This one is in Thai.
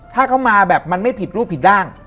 ถ้าเขามาแบบมันไม่ผิดรูปผิดร่าง